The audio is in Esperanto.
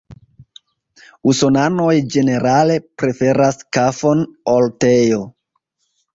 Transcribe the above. Usonanoj ĝenerale preferas kafon ol teo.